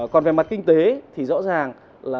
còn về mặt kinh tế thì rõ ràng